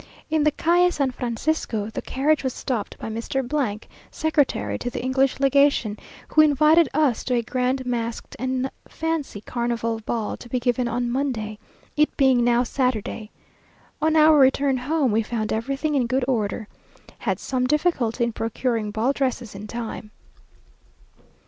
In the Calle San Francisco, the carriage was stopped by Mr. , Secretary to the English Legation, who invited us to a grand masked and fancy carnival ball to be given on Monday, it being now Saturday. On our return home, we found everything in good order. Had some difficulty in procuring ball dresses in time.